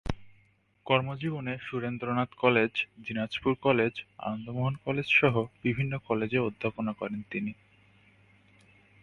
কর্মজীবনে Surendranath college, Dinajpur college, Anandamohan কলেজসহ বিভিন্ন কলেজে অধ্যাপনা করেন তিনি।